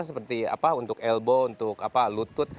seperti apa untuk elbow untuk lutut